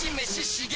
刺激！